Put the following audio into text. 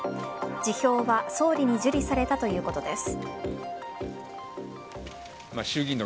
辞表は総理に受理されたということです。